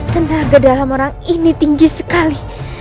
tenaga dalam orang ini tinggi sekali